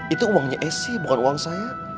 itu uangnya esy bukan uang saya